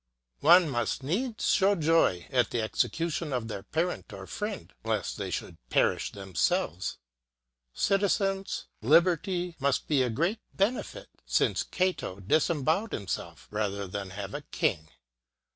One must needs show joy at the execution of their parent or friend lest they would perish themselves. Citizens, liberty must be a great benefit, since Cato disembowelled himself rather than have a king.